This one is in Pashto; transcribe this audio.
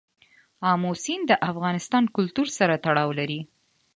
آمو سیند د افغان کلتور سره تړاو لري.